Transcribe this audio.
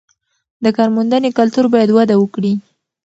د کارموندنې کلتور باید وده وکړي.